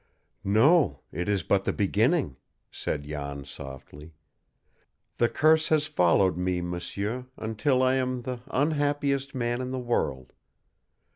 "No, it is but the beginning," said Jan softly. "The curse has followed me, m'sieur, until I am the unhappiest man in the world.